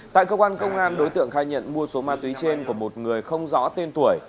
tại cơ quan công an đối tượng khai nhận mua số ma túy trên của một người không rõ tên tuổi